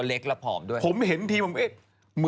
เอ็มมี่เน็กซิม